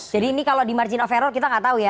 jadi ini kalau di margin of error kita nggak tahu ya